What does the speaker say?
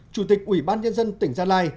chủ tịch ủy ban nhân dân tỉnh gia lai